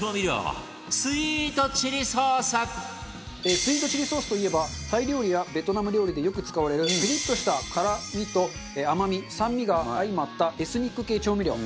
スイートチリソースといえばタイ料理やベトナム料理でよく使われるピリッとした辛みと甘み酸味が相まったエスニック系調味料。